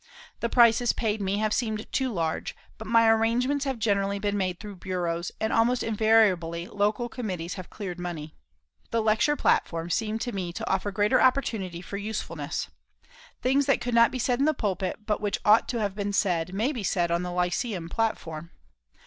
The prices paid me have seemed too large, but my arrangements have generally been made through bureaus, and almost invariably local committees have cleared money. The lecture platform seemed to me to offer greater opportunity for usefulness. Things that could not be said in the pulpit, but which ought to be said, may be said on the lyceum platform.